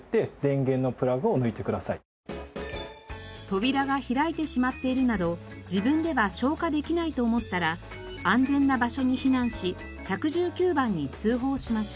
扉が開いてしまっているなど自分では消火できないと思ったら安全な場所に避難し１１９番に通報しましょう。